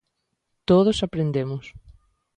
Todos aprendemos.